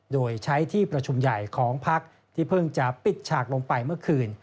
โดยใช้ที่ประชุมใหญ่ของพักที่เพิ่งจะปิดฉากลงไปเมื่อคืน